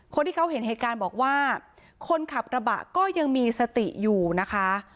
คนที่เขาเห็นเหตุการณ์บอกว่าคนขับกระบะก็ยังมีสติอยู่นะคะ